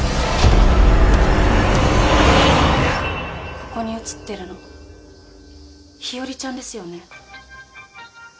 ここに写っているの日和ちゃんですよね。